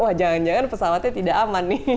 wah jangan jangan pesawatnya tidak aman nih